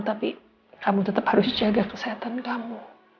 tapi kamu tetap harus jaga kesehatan kamu